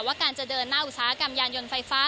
ว่าการจะเดินหน้าอุตสาหกรรมยานยนต์ไฟฟ้า